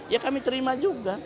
ya kami terima juga